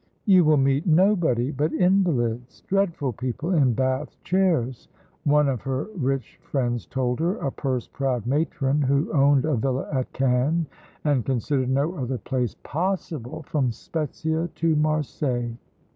"You will meet nobody but invalids, dreadful people in Bath chairs!" one of her rich friends told her, a purse proud matron who owned a villa at Cannes, and considered no other place "possible" from Spezzia to Marseilles.